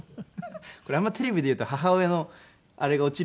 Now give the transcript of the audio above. これあんまりテレビで言うと母親のあれが落ちる。